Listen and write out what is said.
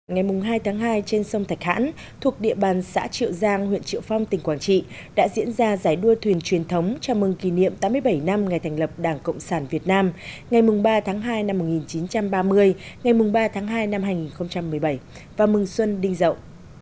ngày hai tháng hai trên sông thạch hãn thuộc địa bàn xã triệu giang huyện triệu phong tỉnh quảng trị đã diễn ra giải đua thuyền truyền thống chào mừng kỷ niệm tám mươi bảy năm ngày thành lập đảng cộng sản việt nam ngày ba tháng hai năm một nghìn chín trăm ba mươi ngày ba tháng hai năm hai nghìn một mươi bảy và mừng xuân đinh dậu